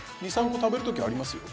２３個食べるときありますよ・